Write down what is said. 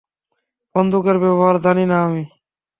বন্দুকের ব্যবহার জানি না আমি।